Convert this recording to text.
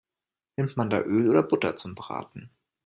Nimmt man da Öl oder Butter zum Braten?